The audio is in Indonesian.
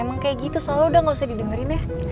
emang kayak gitu selalu udah gak usah didengarin ya